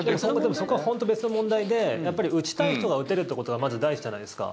そこは本当に別な問題でやっぱり打ちたい人が打てるってことがまず第一じゃないですか。